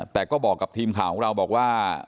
แต่ก็บอกกับทีมข่าวของเราบอกว่า